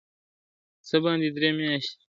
څه باندي درې میاشتي ..